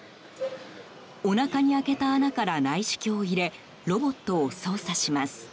お腹に開けた穴から内視鏡を入れロボットを操作します。